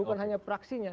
bukan hanya praksinya